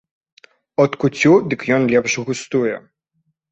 От куццю дык ён лепш густуе.